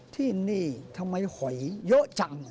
ที่นี่ทำไมหอยเยอะจัง